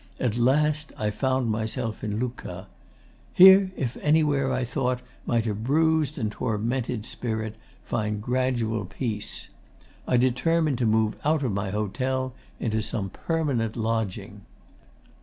At last I found myself in Lucca. Here, if anywhere, I thought, might a bruised and tormented spirit find gradual peace. I determined to move out of my hotel into some permanent lodging.